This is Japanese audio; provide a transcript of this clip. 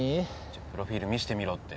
プロフィール見してみろって。